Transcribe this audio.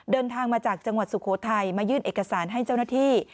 เดินทางมาจากจังหวัดสุโขทัยมายื่นเอกสารให้เจ้าหน้าที่